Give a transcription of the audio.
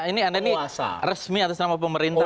ini anda ini resmi atas nama pemerintah